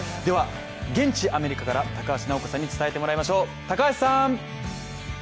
現地アメリカから、高橋尚子さんに伝えてもらいましょう。